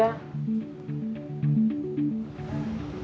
aku mau ke tempatnya